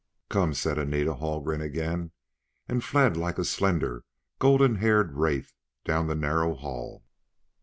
"Come!" said Anita Haldgren again, and fled like a slender, golden haired wraith down the narrow hall.